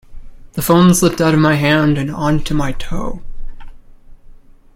The phone slipped out of my hand and onto my toe.